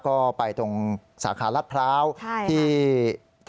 ก็ไปตรงสาขารรัฐพร้าวที่ใช่ค่ะ